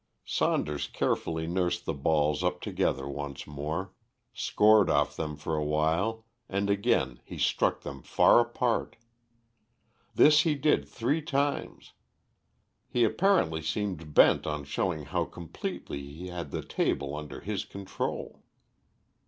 Saunders carefully nursed the balls up together once more, scored off them for a while, and again he struck them far apart. This he did three times. He apparently seemed bent on showing how completely he had the table under his control.